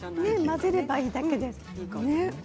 混ぜればいいだけですからね。